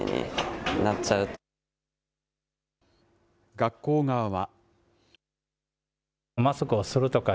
学校側は。